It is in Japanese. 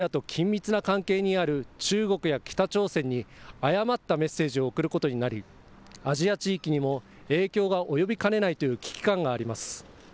背景には今回の軍事侵攻を許せばロシアと緊密な関係にある中国や北朝鮮に誤ったメッセージを送ることになりアジア地域にも影響が及びかねないという危機感があります。